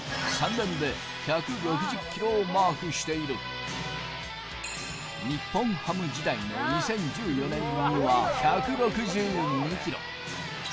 ３年で１６０キロをマークしている日本ハム時代の２０１４年には１６２キロ